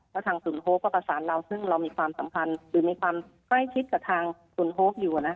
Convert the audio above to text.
แล้วทางศูนย์โฮก็ประสานเราซึ่งเรามีความสัมพันธ์หรือมีความใกล้ชิดกับทางคุณโฮปอยู่